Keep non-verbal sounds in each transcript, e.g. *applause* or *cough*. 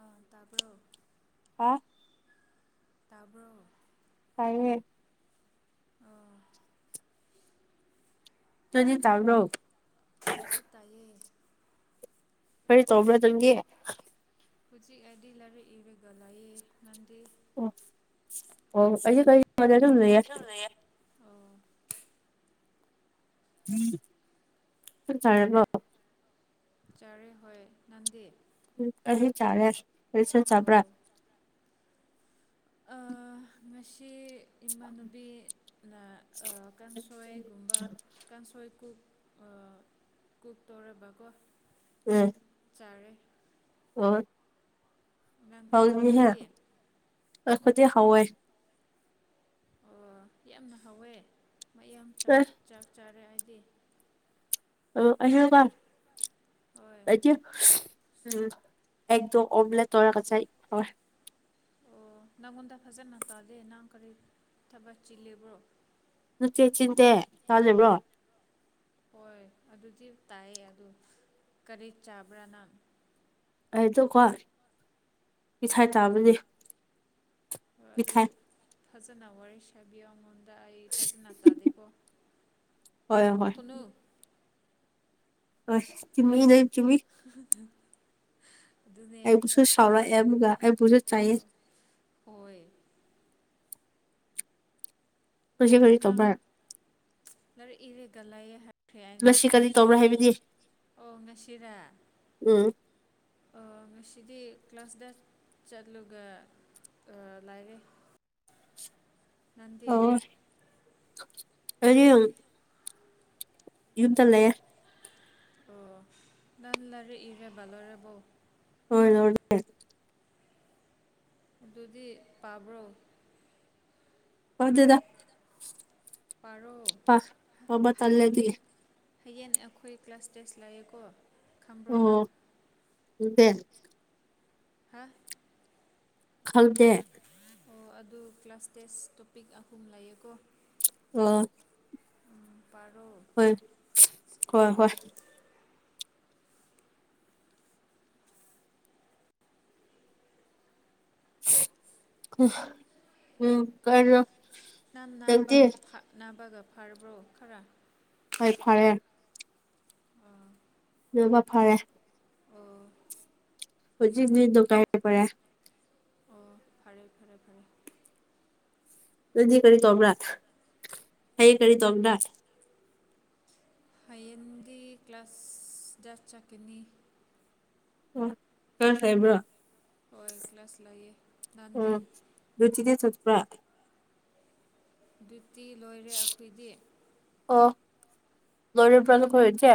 ꯑꯥ ꯇꯥꯕꯔꯣ ꯑꯥ ꯇꯥꯕ꯭ꯔꯣ ꯇꯥꯏꯌꯦ ꯑꯥ ꯅꯪꯗꯤ ꯆꯥꯒꯔꯣ ꯑꯁꯨꯄ ꯇꯥꯏꯌꯦ ꯀꯔꯤ ꯇꯧꯕ꯭ꯔꯥ ꯅꯪꯗꯤ ꯐꯖꯤ ꯑꯥꯏꯗꯤ ꯂꯥꯢꯔꯤꯛ ꯏꯔꯒ ꯂꯩꯌꯦ ꯅꯪꯗꯤ ꯑꯣ ꯑꯣ ꯑꯩꯖꯨ ꯀꯔꯤ ꯕꯗ ꯑꯗꯨꯝ ꯂꯩꯌꯦ ꯑꯣ ꯆꯛ ꯆꯥꯔꯕ ꯆꯔꯦ ꯍꯣꯏ ꯅꯡꯗꯤ ꯎ ꯑꯩꯁꯨ ꯆꯥꯔꯦ ꯀꯔꯤꯁꯟ ꯑꯣ ꯆꯥꯕ꯭ꯔꯥ ꯑꯥ ꯉꯁꯤ ꯏꯃꯥꯟꯅꯕꯤ ꯅ ꯑ ꯀꯥꯡꯁꯣꯏꯒꯨꯝꯕ ꯀꯥꯡꯁꯣꯏ ꯀꯨꯛ ꯑꯥ ꯀꯨꯛ ꯇꯧꯔꯦꯕ ꯀꯣ ꯎꯝ ꯆꯥꯔꯦ ꯑꯣ ꯅꯪ ꯍꯧꯖꯤꯅꯤꯍꯦ ꯅꯈꯣꯏꯗꯤ ꯑꯩ ꯈꯨꯗꯤꯛ ꯍꯧꯋꯦ ꯑꯣ ꯌꯥꯝꯅ ꯍꯥꯎꯋꯦ ꯃꯌꯥꯝ ꯆꯥꯛ ꯑꯦ ꯆꯥꯔꯦ ꯍꯥꯏꯗꯤ ꯑ ꯑꯍꯦꯡꯕ ꯍꯣꯏ ꯂꯩꯇꯦ ꯎꯝ ꯑꯦꯛꯗꯣ ꯑꯣꯕꯂꯦꯛ ꯇꯧꯔꯒ ꯆꯥꯏ ꯍꯥꯎꯋꯦ ꯑꯣ ꯅꯪꯉꯣꯟꯗ ꯐꯖꯅ ꯇꯥꯗꯦ ꯅꯪ ꯀꯔꯤ ꯊꯕꯛ ꯆꯤꯜꯂꯤꯕ꯭ꯔꯣ ꯅꯠꯇꯦ ꯆꯤꯟꯗꯦ ꯇꯥꯜꯂꯤꯕꯔꯣ ꯍꯣꯏ ꯑꯗꯨꯗꯤ ꯇꯥꯏꯌꯦ ꯑꯗꯨ ꯀꯔꯤ ꯆꯥꯕ꯭ꯔꯥ ꯅꯪ ꯑꯩꯗꯣꯀꯣ ꯃꯤꯊꯥꯏ ꯆꯥꯕꯅꯦ ꯍꯣꯏ ꯑꯗꯨ ꯃꯤꯊꯥꯏ ꯐꯖꯅ ꯋꯥꯔꯤ ꯁꯥꯕꯤꯌꯣ ꯑꯩꯉꯣꯟ ꯗ ꯑꯩ ꯐꯖꯅ ꯇꯥꯗꯦꯀꯣ ꯍꯣꯏ ꯍꯣꯏ ꯅꯣꯛꯀꯅꯨ ꯍ ꯆꯤꯃꯤ ꯅ ꯆꯤꯃꯤ *inaudible* *inaudible* ꯑꯗꯨꯅꯦ ꯑꯩꯕꯨꯁꯨ ꯁꯥꯎꯔꯛꯑꯕꯨꯒ ꯑꯩꯕꯨꯁꯨ ꯆꯩ ꯍꯣꯏ ꯍꯣꯏ ꯉꯁꯤ ꯇꯨ ꯀꯔꯤ ꯅꯪ ꯇꯧꯕ꯭ꯔꯥ ꯂꯩꯔꯤꯛ ꯏꯔꯦꯒ ꯂꯩꯌꯦ ꯍꯥꯏ ꯈ꯭ꯔꯦ ꯍꯥꯏꯅ ꯉꯁꯤ ꯀꯔꯤ ꯇꯧꯕ꯭ꯔꯥ ꯍꯥꯏꯕꯗꯤ ꯑꯣ ꯉꯁꯤꯔ ꯎꯝ ꯑꯥ ꯉꯁꯤꯗꯤ ꯀ꯭ꯂꯥꯁꯗꯦꯁ ꯆꯠꯂꯨꯒ ꯂꯥꯏꯔꯤꯛ ꯅꯠꯇꯦ ꯑꯔꯤꯝ *inaudible* ꯌꯨꯝꯗ ꯂꯩꯌꯦ ꯑꯣ ꯅꯪ ꯂꯩꯔꯤꯛ ꯏꯔꯒ ꯂꯣꯢꯔꯕꯣ ꯍꯣꯏ ꯂꯣꯢꯔꯦ ꯑꯗꯨꯗꯤ ꯄꯥꯕ꯭ꯔꯣ ꯄꯗꯦꯗꯥ ꯄꯥꯔꯣ ꯄꯥ ꯄꯥꯕ ꯇꯜꯂꯦ ꯍꯌꯦꯡ ꯑꯩꯗꯤ ꯍꯌꯦꯡ ꯑꯩꯈꯣꯏ ꯀ꯭ꯂꯥꯁ ꯇꯦꯁ ꯂꯩꯌꯦꯀꯣ ꯈꯪꯕ꯭ꯔꯣ ꯑꯣ ꯅꯪ ꯈꯪꯇꯦ ꯍꯥ ꯈꯪꯗꯦ ꯑꯣ ꯑꯗꯨ ꯀ꯭ꯂꯥꯁ ꯇꯦꯁ ꯇꯣꯄꯤꯛ ꯑꯍꯨꯝ ꯂꯩꯌꯦꯀꯣ ꯑꯣ ꯎꯝ ꯄꯥꯔꯣ ꯍꯣꯏ ꯍꯣꯏ ꯍꯣꯏ ꯎꯝ ꯀꯩꯅꯣ ꯅꯪ ꯅꯪꯗꯤ ꯅꯥꯕꯒ ꯅꯥꯕꯒ ꯐꯥꯔꯕ꯭ꯔꯣ ꯈꯔꯥ ꯍꯣꯏ ꯐꯔꯦ ꯑꯥ ꯂꯣꯢꯅꯃꯛ ꯐꯥꯔꯦ ꯑꯣ ꯍꯨꯖꯤꯛꯗꯤ ꯗꯣꯛꯇꯔ ꯑꯣꯏꯒꯔꯦ ꯑꯣ ꯐꯔꯦ ꯐꯔꯦ ꯐꯔꯦ ꯗꯨꯗꯤ ꯀꯔꯤ ꯇꯧꯕꯔꯥ ꯍꯥꯌꯦꯡ ꯀꯔꯤ ꯇꯧꯕꯔꯥ ꯍꯌꯦꯡꯗꯤ ꯀ꯭ꯂꯥꯁ ꯇꯦꯁ ꯆꯠꯀꯅꯤ ꯑꯣ ꯈꯔ ꯍꯩꯕꯔꯣ ꯍꯣꯏ ꯀꯂꯥꯁ ꯂꯩꯌꯦ ꯅꯪꯗꯤ ꯂꯨꯆꯤꯡꯗꯤ ꯆꯠꯄꯔꯥ ꯗꯤꯌꯨꯗꯤ ꯂꯣꯏꯔꯦ ꯑꯈꯣꯏꯗꯤ ꯑꯣ ꯂꯣꯏꯔꯕ꯭ꯔꯥ ꯅꯈꯣꯏ ꯏꯆꯦ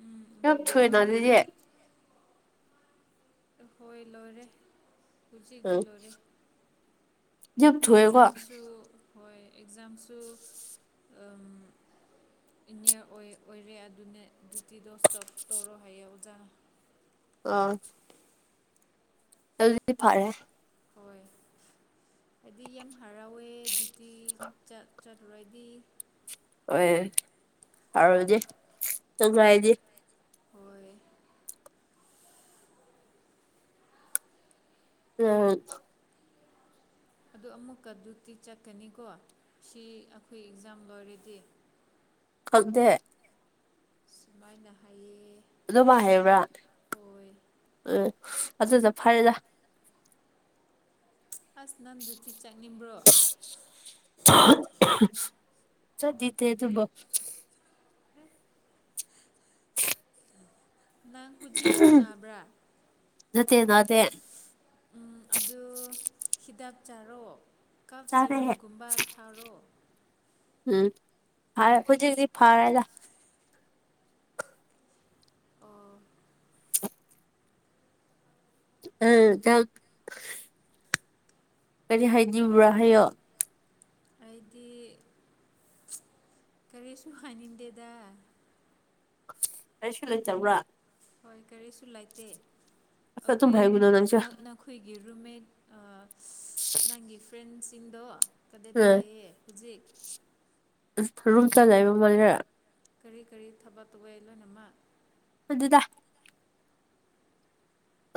ꯎꯝ ꯌꯥꯝ ꯑꯩꯈꯣꯏꯒꯤ ꯊꯨꯏꯑꯦꯅ ꯂꯣꯏꯔꯦ ꯏꯆꯦ ꯍꯣꯏ ꯂꯣꯏꯔꯦ ꯍꯨꯖꯤꯛꯇꯤ ꯎꯝ ꯂꯣꯏꯔꯦ ꯌꯥꯝ ꯊꯨꯏꯌꯦꯀꯣ ꯑꯦꯛꯖꯥꯝꯁꯨ ꯍꯣꯏ ꯑꯦꯛꯖꯥꯝꯁꯨ ꯑꯝ ꯏꯅꯤꯌꯥꯔ ꯑꯣꯏ ꯑꯣꯏꯔꯦ ꯑꯗꯨꯅ ꯗ꯭ꯌꯇꯤ ꯗꯣꯁ ꯇꯣꯞ ꯇꯧꯔꯣ ꯍꯥꯏꯌꯦ ꯑꯣꯖꯥ ꯑꯥ ꯑꯗꯨꯗꯤ ꯐꯔꯦ ꯍꯣꯏ ꯍꯥꯏꯗꯤ ꯌꯥꯝ ꯍꯔꯥꯎꯋꯦ ꯗꯨꯇꯤ ꯆꯠ ꯆꯠꯂꯨꯔꯗꯤ ꯍꯣꯏ ꯐꯔꯗꯤ ꯅꯨꯡꯉꯥꯏꯅꯤ ꯍꯣꯏ ꯎꯝ ꯑꯗꯨ ꯑꯃꯨꯛꯀ ꯑꯗꯨꯇꯤ ꯆꯠꯀꯅꯤꯀꯣ ꯁꯤ ꯑꯩꯈꯣꯏ ꯑꯦꯛꯖꯥꯝ ꯂꯣꯏꯔꯗꯤ ꯈꯪꯗꯦ ꯁꯨꯃꯥꯏꯅ ꯍꯥꯏꯌꯦ ꯑꯗꯨꯃ ꯍꯥꯏꯕ꯭ꯔꯥ ꯍꯣꯏ ꯎꯝ ꯑꯗꯨꯗ ꯐꯔꯦꯗ ꯑꯁ ꯅꯪꯗꯨꯗꯤ ꯆꯠꯅꯤꯡꯕ꯭ꯔꯣ *unintelligible* ꯆꯗꯤꯇꯦ ꯇ ꯅꯪ ꯍꯧꯖꯤꯛ ꯁꯨ ꯅꯕ꯭ꯔꯥ ꯅꯠꯇꯦ ꯅꯥꯇ‌ꯦ ꯑꯗꯨ ꯍꯤꯗꯥꯛ ꯆꯥꯔꯣ ꯀꯞ ꯆꯥꯅꯤꯡꯉꯦ ꯁꯤꯦꯔꯞꯀꯨꯝꯕ ꯊꯥꯔꯣ ꯎꯝ ꯐꯔꯦ ꯍꯧꯖꯤꯛꯖꯤꯛ ꯐꯔꯦꯗ ꯑꯣ ꯎꯝ ꯅꯪ ꯀꯔꯤ ꯍꯥꯏꯅꯤꯡꯕ꯭ꯔꯥ ꯍꯥꯏꯌꯣ ꯑꯩꯗꯤ ꯀꯔꯤꯁꯨ ꯍꯥꯏꯅꯤꯡꯗꯦꯗ ꯀꯩꯁꯨ ꯂꯩꯇꯕ꯭ꯔꯥ ꯍꯣꯏ ꯀꯔꯤꯁꯨ ꯂꯩꯇꯦ ꯑꯁ ꯑꯗꯨꯝ ꯑꯩꯈꯣꯏ ꯍꯥꯏꯒꯅꯣ ꯅꯪꯁꯨ ꯅꯪ ꯅ ꯑꯩꯈꯣꯏꯒꯤ ꯔꯨꯝꯃꯦꯠ ꯑ ꯅꯪꯒꯤ ꯐ꯭ꯔꯦꯟꯁꯤꯡꯗꯣ ꯀꯗ‌ꯦꯗ ꯂꯩꯌꯦ ꯍꯧꯖꯤꯛ ꯑ ꯔꯨꯝ ꯆ ꯂꯩꯕ ꯃꯥꯜꯂꯔ ꯀꯔꯤ ꯀꯔꯤ ꯊꯕꯛ ꯇꯧꯋꯦ ꯂꯣꯏꯅꯃꯛ ꯈꯪꯗ‌ꯦꯗ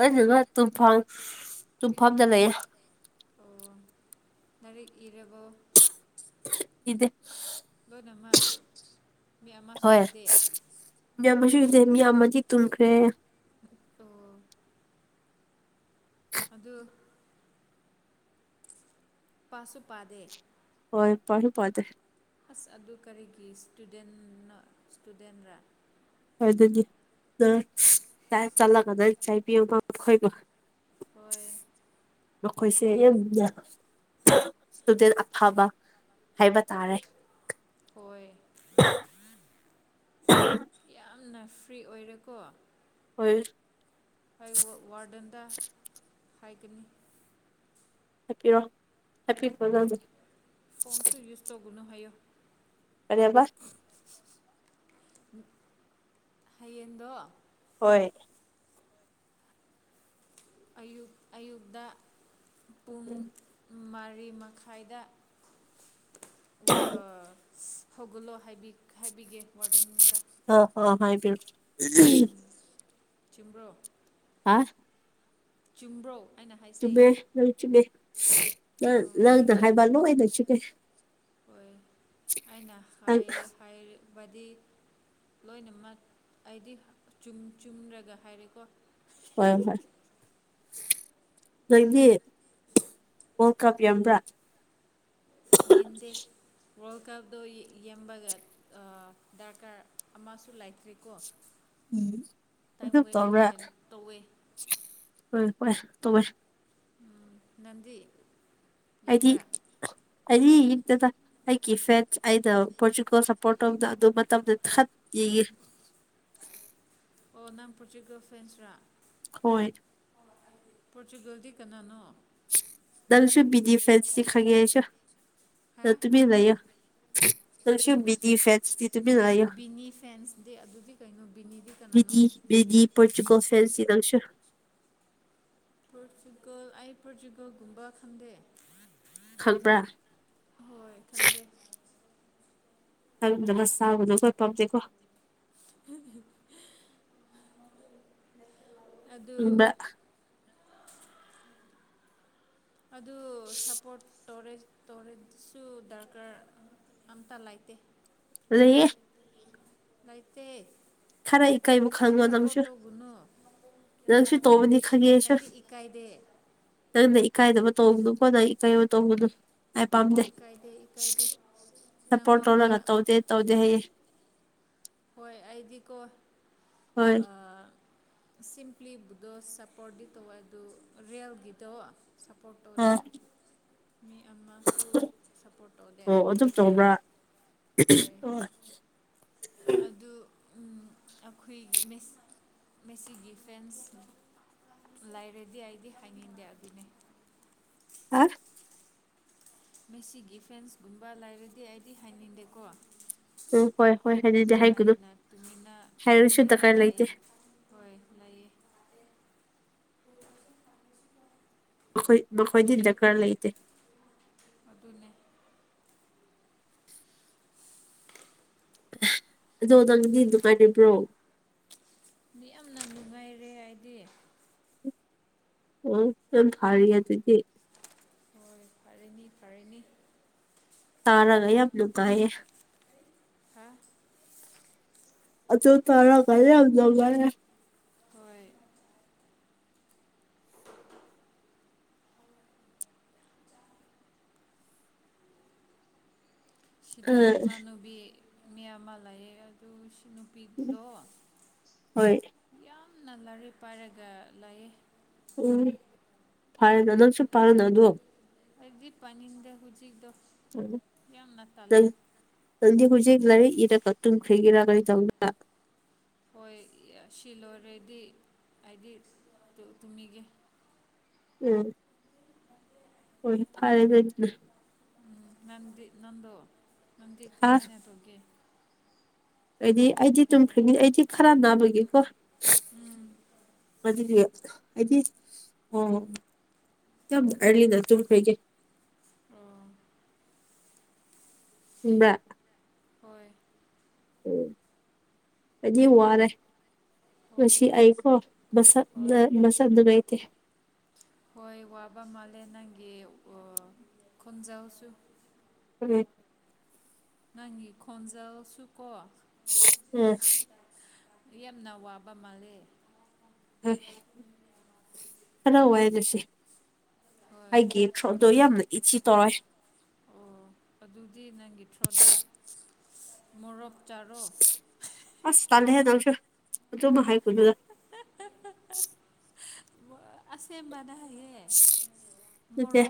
ꯑꯗꯨꯅ ꯇꯨꯝꯐꯝ ꯇꯨꯝꯐꯝꯗ ꯂꯩꯌꯦ ꯑꯣ ꯂꯥꯏꯔꯤꯛ ꯏꯔꯕꯣ ꯏꯗꯦ ꯂꯣꯏꯅꯃꯛ ꯃꯤ ꯑꯃꯁꯨ ꯏꯗꯦ ꯃꯌꯥꯝꯁꯨ ꯏꯁꯦ ꯌꯥꯝꯃꯗꯤ ꯇꯨꯝꯈ꯭ꯔꯦ ꯑꯣ ꯑꯗꯨ ꯄꯥꯁꯨ ꯄꯥꯗꯦ ꯍꯣꯏ ꯄꯥꯁꯨ ꯄꯥꯗꯦ ꯑꯁ ꯑꯗꯨ ꯀꯔꯤꯒꯤ ꯏꯁꯇꯨꯗꯦꯟꯅꯣ ꯏꯁꯇꯨꯗꯦꯟꯔ ꯑꯗꯨ ꯑꯗꯨꯅꯤ ꯆꯥꯏ ꯆꯠꯂꯒ ꯑꯗꯨ ꯆꯥꯏ ꯄ ꯈꯣꯏꯀꯣ ꯍꯣꯏ ꯃꯈꯣꯏꯁꯦ ꯌꯥꯝ ꯅ ꯏꯁꯇꯨꯗꯦꯟ ꯑꯐꯕ ꯍꯥꯏꯕ ꯇꯥꯔꯦ ꯍꯣꯏ ꯌꯥꯝꯅ ꯐ꯭ꯔꯤ ꯑꯣꯏꯔꯦꯀꯣ ꯍꯣꯏ ꯋꯥꯔꯗꯟꯗ ꯍꯥꯏꯒꯅꯤ ꯍꯥꯏꯄꯤꯔꯣꯑꯣ ꯍꯥꯏꯄꯤꯌ ꯐꯖꯒꯦ ꯇꯣꯒꯨꯅ‌ꯣ ꯍꯥꯏꯌꯨ ꯀꯔꯤꯑꯕꯥꯥ ꯍꯌꯦꯡꯗꯣ ꯍꯣꯏ ꯑꯌꯨꯛ ꯑꯌꯨꯛꯗ ꯄꯨꯡ ꯃꯔꯤꯃꯈꯥꯏꯗ ꯍꯧꯒꯨꯜꯂꯣ ꯍꯥꯏꯕꯤ ꯍꯥꯏꯕꯤꯒꯦ ꯋꯥꯔꯗꯟꯗ ꯑ ꯍꯥꯏꯕꯤꯔꯣ ꯆꯨꯝꯕ꯭ꯔꯣ ꯍꯥ ꯆꯨꯝꯕ꯭ꯔꯣ ꯑꯩꯅ ꯍꯥꯏꯁꯦ ꯆꯨꯝꯃꯦ ꯅꯪ ꯆꯨꯝꯃꯦ ꯅꯪ ꯍꯣꯏ ꯅꯪꯅ ꯍꯥꯏꯕ ꯂꯣꯏꯅ ꯆꯨꯝꯃꯦ ꯍꯣꯏ ꯑꯩꯅ ꯅꯪ ꯍꯥꯏꯌꯦ ꯍꯥꯏ ꯕꯗꯤ ꯂꯣꯏꯅꯃꯛ ꯑꯩꯗꯤ ꯆꯨꯝ ꯆꯨꯝꯔꯒ ꯍꯥꯏꯔꯦꯀꯣ ꯍꯣꯏ ꯍꯣꯏ ꯅꯪꯗꯤ ꯋꯥꯔꯜ ꯀꯞ ꯌꯦꯝꯕ꯭ꯔꯥ ꯌꯦꯟꯗꯦ ꯋꯥꯔꯜ ꯀꯞꯗꯣ ꯌꯦ ꯌꯦꯝꯕꯔꯒ ꯗꯔꯀꯥꯔ ꯑꯃꯁꯨ ꯂꯩꯇ꯭ꯔꯤꯀꯣ ꯇꯥꯏꯝ ꯑꯗꯨꯝ ꯋꯦꯁ ꯇꯧꯕ꯭ꯔꯥ ꯇꯧꯒ ꯇꯧꯋꯦ ꯍꯣꯏ ꯍꯣꯏ ꯇꯧꯋꯦ ꯎꯝ ꯅꯟꯗꯤ ꯑꯗꯤ ꯑꯔꯤ ꯏꯗꯗ ꯑꯩꯒꯤ ꯐꯦꯟ ꯑꯩꯩꯅ ꯄꯣꯔꯇꯨꯀꯜ ꯁꯞꯄꯣꯔꯠ ꯇꯧꯕꯗ ꯑꯗꯨ ꯃꯇꯝꯗ ꯊꯠ ꯌꯦ ꯑꯣ ꯅꯪ ꯄ꯭ꯔꯇꯤꯀꯣ ꯐꯦꯟꯁ꯭ꯔꯥ ꯍꯣꯏ ꯄꯣꯔꯆꯨꯒꯜꯗꯤ ꯀꯅꯥꯅꯣ ꯗꯜꯁꯨ ꯕꯤꯗꯤ ꯐꯦꯁꯤ ꯈꯪꯉꯦ ꯑꯩꯁꯨ ꯍꯥ ꯅꯪ ꯇꯨꯃꯤꯟ ꯂꯩꯌꯣ ꯅꯡꯁꯨ ꯃꯤꯅꯤ ꯐꯦꯟꯆꯇꯤ ꯕꯤꯅꯤ ꯐꯦꯟꯁꯗꯤ ꯑꯗꯨꯗꯤ ꯀꯩꯅꯣ ꯕꯤꯅꯤꯗꯤ ꯀꯅꯥꯅꯣ ꯕꯤꯖꯤ ꯄꯔꯆꯨꯒꯣꯜ ꯐꯦꯟꯁꯤꯗꯪꯁꯨ ꯄꯣꯔꯆꯨꯒꯜ ꯑ ꯄꯣꯔꯇꯨꯒꯜꯒꯨꯝꯕ ꯈꯟꯗꯦ ꯈꯪꯕ꯭ꯔꯥ ꯍꯣꯏ ꯈꯟꯗꯦ ꯆꯝꯗꯕ ꯆꯥꯕꯗꯣ ꯈꯣꯏ ꯄꯥꯝꯖꯩꯀꯣ ꯎꯝ ꯑꯗ ꯈꯪꯕ꯭ꯔꯥ ꯑꯗꯨ ꯁꯞꯄꯣꯔꯠ ꯇꯣꯔꯦ ꯇꯣꯔꯦꯖꯁꯨ ꯗꯔꯀꯥꯔ ꯑꯝꯇ ꯂꯩꯇꯦ ꯂꯩꯌꯦ ꯂꯩꯥꯏꯇꯦ ꯈꯔ ꯏꯀꯥꯏꯕ ꯅꯥꯟ ꯈꯪꯉꯣ ꯁꯄꯣꯔꯠ ꯅꯪꯁꯨ ꯇꯧꯒꯨꯅꯨ ꯅꯪꯁꯨ ꯇꯧꯕꯅꯤ ꯈꯪꯉꯦꯁ ꯅꯪꯅ ꯏꯀꯥꯏꯗꯕ ꯇꯧꯕꯗꯨꯣ ꯈꯣꯠꯠꯇ ꯏꯀꯥꯏꯕ ꯇꯧꯕꯗꯨꯣ ꯑꯩ ꯄꯥꯝꯗꯦ ꯏꯀꯥꯏꯗꯦ ꯏꯀꯥꯏꯗꯦ ꯁꯞꯄꯣꯔꯠ ꯇꯧꯔꯒ ꯅꯪꯉꯣꯟꯗ ꯇꯧꯗꯦ ꯇꯧꯗꯦ ꯍꯌꯦꯦ ꯍꯣꯏ ꯑꯩꯗꯤꯀꯣ ꯍꯣꯏ ꯁꯤꯝꯄ꯭ꯂꯤ ꯕꯨꯗꯣꯁ ꯁꯞꯄꯣꯔꯠꯗꯤ ꯇꯧꯋ ꯑꯗꯨ ꯔꯤꯌꯦꯜꯒꯤ ꯇꯧ ꯁꯞꯄꯣꯔꯠ ꯇꯧꯗꯦ ꯑꯥ ꯃꯤ ꯑꯃ ꯁꯨ ꯁꯞꯄꯣꯔꯠ ꯇꯧꯗꯦ ꯑꯣ ꯑꯩꯗꯤ ꯑꯗꯨꯝ ꯇꯧꯕ꯭ꯔꯥ ꯇꯥꯜꯂꯦ ꯍꯣꯏ ꯑꯣ ꯑꯗꯨ ꯑꯩꯈꯣꯏꯒꯤ ꯃꯤꯁ ꯃꯁꯤꯒꯤ ꯐꯦꯟꯁ ꯂꯩꯔꯗꯤ ꯑꯩꯗꯤ ꯍꯥꯏꯅꯤꯡꯗꯦ ꯑꯗꯨꯅꯦ ꯍꯥ ꯃꯁꯤꯒꯤ ꯏꯚꯦꯟꯁꯀꯨꯝꯕ ꯂꯩꯔꯗꯤ ꯑꯩꯗꯤ ꯍꯥꯏꯅꯤꯡꯗꯦꯀꯣ ꯎꯝ ꯍꯣꯏ ꯍꯣꯏ ꯍꯥꯏꯗꯨꯗꯤ ꯑꯗꯨꯅ ꯍꯥꯏꯒꯅꯨ ꯑꯩꯅ ꯍꯥꯏꯔꯁꯨ ꯇꯨꯃꯤꯟꯅ ꯗꯔꯀꯥꯔ ꯂꯩꯇꯦ ꯂꯥꯏꯟ ꯍꯣꯏ ꯍ ꯂꯩꯌꯦ ꯃꯈꯣꯏ ꯃꯈꯣꯏꯗꯤ ꯗꯔꯀꯥꯔ ꯂꯩꯇꯦ ꯑꯗꯨꯅꯦ ꯑꯗꯣ ꯅꯪꯗꯤ ꯗꯨꯀꯥꯟ ꯂꯩꯕ꯭ꯔꯣ ꯃꯤ ꯌꯥꯝꯅ ꯅꯨꯡꯉꯥꯏꯔꯦ ꯍꯥꯏꯗꯤ ꯑꯣ ꯌꯥꯝ ꯊꯥꯔ ꯍꯥꯏ ꯇꯗꯤꯗꯤ ꯍꯣꯏ ꯐꯔꯦꯅꯤ ꯐꯔꯦꯅꯤ ꯇꯥꯔꯥꯒꯥꯏ ꯌꯥꯝ ꯂꯒꯑꯦ ꯍꯥꯥ ꯑꯆꯧ ꯇꯔ ꯈꯔꯦ ꯑꯖꯧꯒꯔꯦ ꯍꯣꯏ ꯁꯤꯗ ꯑꯥ ꯏꯃꯥꯟꯅꯨꯕꯤ ꯃꯤꯌꯥꯝꯃꯥ ꯂꯌꯦ ꯑꯗꯨ ꯁꯤꯅ ꯄꯗꯣ ꯍꯣꯏ ꯌꯥꯝꯅ ꯂꯥꯏꯔꯤꯛ ꯄꯥꯏꯔꯒ ꯂꯩꯌꯦ ꯎꯝ ꯐꯔꯦꯅ ꯅꯪꯁꯨ ꯄꯥꯔꯅ ꯑꯗꯣ ꯍꯥꯏꯗꯤ ꯄꯅꯤꯡꯗ ꯍꯧꯖꯤꯛ ꯗꯣ ꯇ ꯍꯖꯤꯦꯒ ꯂꯔꯦ ꯏꯔ ꯀ ꯇ ꯈꯒꯔꯥꯒ ꯇꯧ ꯍꯣꯏ ꯁꯤ ꯂꯣꯏꯔꯦꯗꯤ ꯍꯥꯏꯗꯤ ꯇꯨꯝꯃꯤꯒꯦ ꯎꯝ ꯍꯣꯏ ꯐꯔꯦ ꯑꯗꯨ ꯑꯗꯨꯅ ꯎꯝ ꯅꯪꯗꯤ ꯅꯪꯗꯣ ꯅꯪꯗꯤ ꯍꯥ ꯀꯃꯥꯏꯅ ꯇꯧꯒꯦ ꯑꯩꯗꯤ ꯑꯩꯗꯤ ꯇꯨꯝꯈ꯭ꯦꯉ ꯑꯩꯗꯤ ꯈꯔ ꯅꯥꯕꯒꯤꯀꯣ ꯎꯝ ꯑꯗꯨꯗꯤ ꯍꯥꯏꯗꯤ ꯑꯣ ꯀꯇ ꯑꯔꯂꯤꯗ ꯆꯨꯝꯈ꯭ꯔꯩꯒꯦ ꯑꯣ ꯕ ꯍꯣꯏ ꯑꯣ ꯀꯖꯤ ꯍꯧꯔꯦ ꯉ ꯍꯣꯏ ꯍꯣꯏ ꯑꯏꯀꯣ ꯃꯁ ꯍꯣꯏ ꯃꯁ ꯑꯗꯨꯗꯨꯒꯥꯏꯇꯦ ꯍꯣꯏ ꯋꯥꯕ ꯃꯥꯜꯂꯦ ꯅꯪꯒꯤ ꯈꯣꯟꯖꯥꯎꯁꯨ ꯎꯝ ꯅꯪꯒꯤ ꯈꯣꯟꯖꯦꯜꯁꯨ ꯀꯣ ꯎꯝ ꯌꯥꯝꯅ ꯋꯥꯕ ꯃꯥꯜꯂꯤ ꯍ ꯍꯔꯥꯎꯔ ꯇꯁ ꯍꯣꯏ ꯍꯥꯏꯒꯦ ꯁꯗꯏ ꯌꯥꯝꯅ ꯏꯆꯤ ꯇꯔꯏ ꯑꯣ ꯑꯗꯨꯗꯤ ꯅꯪꯒꯤ ꯊ꯭ꯔꯣꯗ ꯃꯣꯔꯣꯛ ꯆꯥꯔꯣ ꯑꯁ ꯇꯂꯦ ꯅꯝꯁꯨ ꯑꯗꯨꯃ ꯍꯥꯏ ꯀꯂꯨꯗ ꯑꯁꯦꯕꯅꯍꯦ ꯎ ꯅꯠꯇꯦ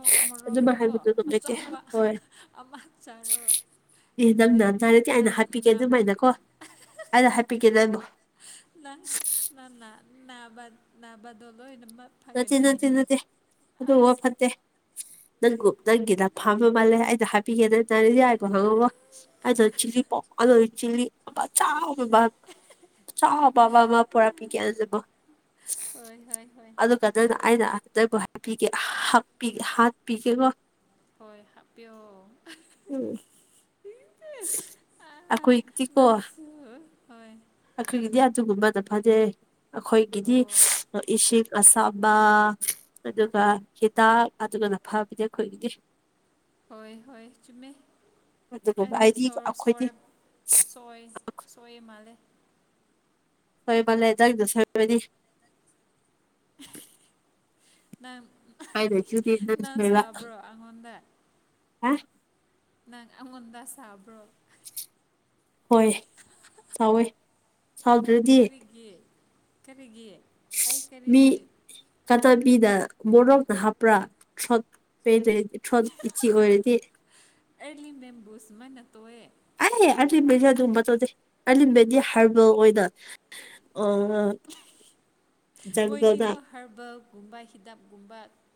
ꯑꯗꯨꯝ ꯃꯣꯔꯣꯛꯗꯣ ꯍꯥꯏꯕꯗꯨ ꯑꯗꯨꯝ ꯂꯩꯇꯦ ꯑꯆꯧꯕ ꯍꯣꯏ ꯑꯃ ꯆꯥꯔꯣ ꯑꯦ ꯅꯪ ꯑꯗꯨꯅꯦ ꯅ ꯅꯟꯗꯥꯔꯗꯤ ꯑꯩꯅ ꯅꯪ ꯍꯥꯞꯄꯤꯒꯦ ꯅꯥꯕ ꯑꯗꯨꯃꯥꯏꯅꯀꯣ ꯑꯗ ꯍꯥꯏꯄꯤꯒꯦ ꯅꯪꯕꯨꯣ ꯅꯪ ꯅ ꯅꯥꯕ ꯅꯥꯕꯗꯂꯣ ꯏꯅꯃ ꯅꯠꯇ ꯅꯠꯇ ꯅꯠꯇꯦ ꯑꯗꯨ ꯋꯥ ꯐꯠꯇꯦ ꯅꯪ ꯅꯪꯒꯤꯗ ꯐꯃ ꯃꯥꯜꯂꯦ ꯑꯩꯗ ꯍꯥꯞꯄꯤꯒꯦꯗ ꯇꯔꯤꯗꯤ ꯌꯥꯏꯕꯣ ꯈꯪꯉ ꯑꯩ ꯆꯤ ꯄꯗꯣ ꯆꯤ ꯆꯕ ꯆ ꯍꯕꯕꯥ ꯃꯥ ꯄꯨꯔꯥ ꯄꯤ ꯀꯦꯖꯕ ꯍꯣꯏ ꯍꯣꯏ ꯍꯣꯏ ꯑꯗꯨꯒ ꯑꯗꯨꯅ ꯑꯩꯅ ꯑꯇꯕꯨ ꯍꯥꯏꯄꯤꯒꯦꯄꯤꯒꯦ ꯍꯥꯠꯄꯤꯒꯦꯀꯣ ꯍꯣꯏ ꯍꯥꯞꯄꯤꯌꯣ ꯎꯝ ꯑꯩꯈꯣꯏꯒꯤꯗꯤꯀꯣ ꯂꯁꯨ ꯍꯣꯏ ꯑꯩꯈꯣꯏꯒꯤꯗꯤ ꯑꯗꯨꯒꯨꯝꯕꯗ ꯐꯖꯩ ꯑꯩꯈꯣꯏꯒꯤꯗꯤ ꯑꯣ ꯏꯁꯤꯡ ꯑꯁꯥꯕ ꯑꯗꯨꯒ ꯍꯤꯗꯥꯛ ꯑꯗꯨꯒꯅ ꯐꯕꯗꯤ ꯑꯩꯈꯣꯏꯒꯤꯗꯤ ꯍꯣꯏ ꯍꯣꯏ ꯆꯨꯝꯃꯦ ꯑꯗꯨꯒꯨꯝꯕ ꯑꯩꯅ ꯑꯩꯗꯤ ꯁ ꯑꯩꯈꯣꯏꯗꯤ ꯁꯣꯔꯦ ꯁꯣꯏ ꯁꯌꯦ ꯃꯥꯂꯦ ꯁꯣꯏꯕꯜꯂꯦꯖꯗ ꯁ ꯃꯅꯤ ꯅꯪ ꯍꯥꯏꯅ ꯆꯨꯗꯦ ꯅꯪ ꯁꯣꯏꯕ ꯁꯥꯕ꯭ꯔꯣ ꯑꯩꯉꯣꯟꯗ ꯍꯥ ꯅꯪ ꯑꯩꯉꯣꯟꯗ ꯁꯥꯕ꯭ꯔꯣ ꯍꯣꯏ ꯁꯋꯦ ꯁꯥꯎꯗ꯭ꯔꯗꯤ ꯀꯔꯤꯒꯤ ꯀꯔꯤꯒꯤ ꯑꯩ ꯀꯔꯤꯒꯤ ꯀꯠꯇꯕꯤꯗ ꯕꯣꯔꯣꯛꯅ ꯍꯥꯞꯄ꯭ꯔꯥ ꯁꯣꯠꯗ ꯁ꯭ꯔꯣꯠ ꯏꯆꯤ ꯑꯣꯏꯔꯗꯤ ꯑꯦꯔꯂꯤ ꯃꯕꯦꯝꯕꯨꯁꯨꯃꯥꯢꯅ ꯇꯣꯛꯑꯦ ꯑꯦ ꯑꯂꯤꯕꯩꯗꯤ ꯑꯗꯨ ꯃꯇꯧꯗꯩ ꯑꯥꯂꯤꯕꯩꯗꯤ ꯍꯥꯔꯕꯦꯜ ꯑꯣꯏꯅ ꯑ *inaudible* ꯖꯪꯒꯜꯗ ꯃꯣꯏꯗꯤꯀꯣ ꯍꯔꯕꯒꯨꯝꯕ ꯍꯤꯗꯞꯒꯨꯝꯕ